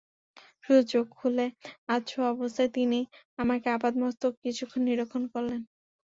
শুধু চোখ খুলে আধশোয়া অবস্থাতেই তিনি আমাকে আপাদমস্তক কিছুক্ষণ নিরীক্ষণ করলেন।